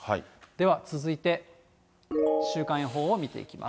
では続いて週間予報を見ていきます。